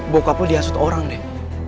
bokap lo diasut orang deh